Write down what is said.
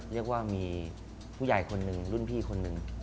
เรียกว่ามีผู้ใหญ่คนหนึ่งรุ่นพี่คนหนึ่ง